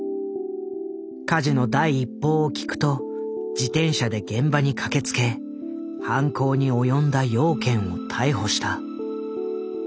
火事の第一報を聞くと自転車で現場に駆けつけ犯行に及んだ養賢を逮捕した。